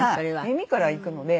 耳からいくので。